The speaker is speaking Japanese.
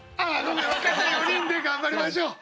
若手４人で頑張りましょう！